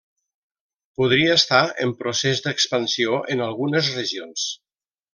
Podria estar en procés d'expansió en algunes regions.